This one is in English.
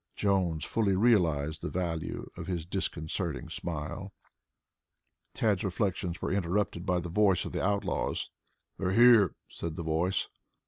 Jones fully realized the value of his disconcerting smile. Tad's reflections were interrupted by the voice of one of the outlaws. "They're here," said the voice.